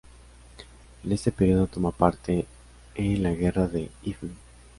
En este periodo toma parte en la Guerra de Ifni.